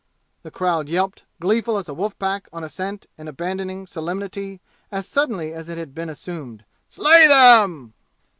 the crowd yelped, gleeful as a wolf pack on a scent and abandoning solemnity as suddenly as it had been assumed. "Slay them!"